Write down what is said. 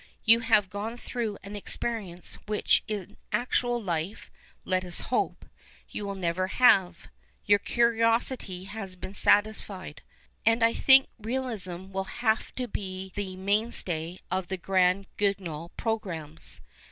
You have gone through an experience which in actual life (let us hope) you will never have. Your curiosity has been satisfied. And I think realism will have to be the mainstay of the Grand Guignol progranmics.